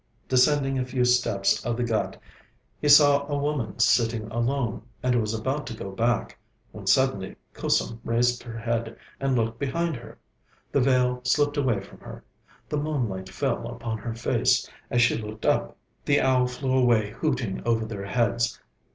Descending a few steps of the ghāt he saw a woman sitting alone, and was about to go back, when suddenly Kusum raised her head, and looked behind her. The veil slipped away from her. The moonlight fell upon her face, as she looked up. The owl flew away hooting over their heads.